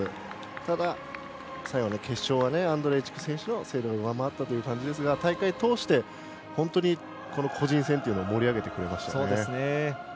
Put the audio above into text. ただ、最後の決勝はアンドレイチク選手の精度が上回ったという感じですが大会を通して本当に個人戦というのを盛り上げてくれました。